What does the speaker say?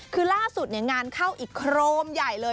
คือล่าสุดงานเข้าอีกโครมใหญ่เลย